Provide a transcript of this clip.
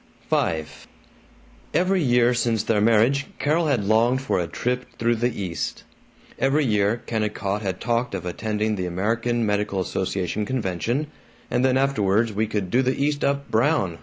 V Every year since their marriage Carol had longed for a trip through the East. Every year Kennicott had talked of attending the American Medical Association convention, "and then afterwards we could do the East up brown.